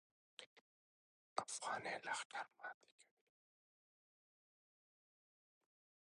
افغاني لښکر ماتې کوي.